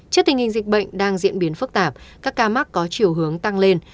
trước tình hình dịch bệnh đang diễn biến phức tạp các ca mắc có chiều hướng tăng lên